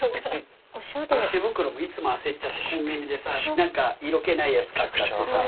のし袋もいつも焦っちゃってコンビニでさ色気ないやつ買っちゃってさ。